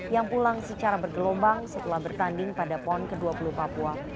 yang pulang secara bergelombang setelah bertanding pada pon ke dua puluh papua